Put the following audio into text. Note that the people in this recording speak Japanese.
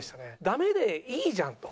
ダメでいいじゃんと。